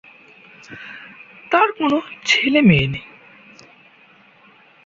তার কোনো ছেলেমেয়ে নেই।